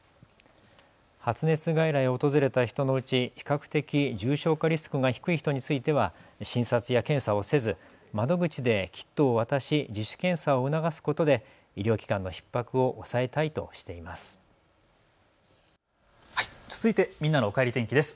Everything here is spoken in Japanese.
発熱外来を訪れた人のうち比較的重症化リスクが低い人については診察や検査をせず窓口でキットを渡し自主検査を促すことで医療機関のひっ迫を抑えたいとしています。